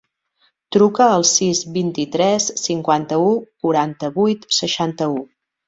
Truca al sis, vint-i-tres, cinquanta-u, quaranta-vuit, seixanta-u.